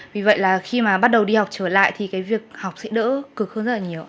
vì vậy là khi mà bắt đầu đi học trở lại thì cái việc học sẽ đỡ cực hơn rất là nhiều